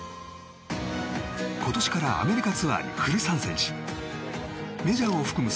今年からアメリカツアーにフル参戦しメジャーを含む